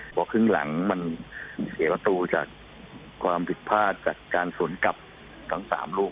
เพราะครึ่งหลังมันเสียประตูจากความผิดพลาดจากการสวนกลับทั้ง๓ลูก